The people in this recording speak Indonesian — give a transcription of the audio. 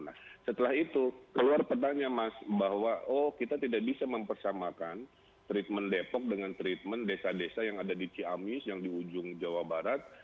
nah setelah itu keluar petanya mas bahwa oh kita tidak bisa mempersamakan treatment depok dengan treatment desa desa yang ada di ciamis yang di ujung jawa barat